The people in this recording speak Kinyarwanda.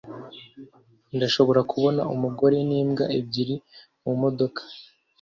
Ndashobora kubona umugore nimbwa ebyiri mumodoka